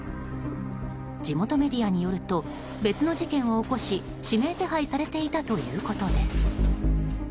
地元メディアによると別の事件を起こし指名手配されていたということです。